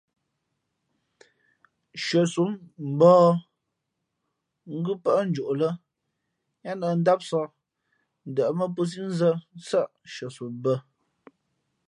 Hʉαsom mbα̌h ngʉ́ pάʼ njoʼ lά yáá nᾱp ndámsāk, ndαʼmά pō síʼ nzᾱ nsάʼ nshʉαsom bᾱ.